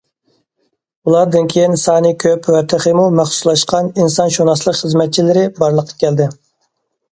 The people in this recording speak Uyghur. ئۇلاردىن كېيىن، سانى كۆپ ۋە تېخىمۇ مەخسۇسلاشقان ئىنسانشۇناسلىق خىزمەتچىلىرى بارلىققا كەلدى.